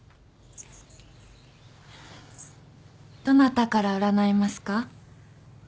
どなたから占いますか？